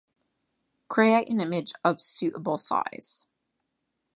Create an image of suitable size.